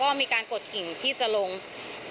ก็มีการกดหิ่งที่จะลงจากป้ายสี่สอง